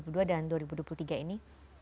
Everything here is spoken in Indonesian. dan dua ribu dua puluh tiga ini